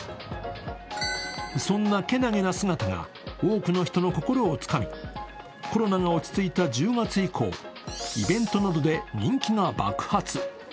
そんな健気な姿が多くの人の心をつかみ、コロナが落ち着いた１０月以降、イベントなどで人気が爆発。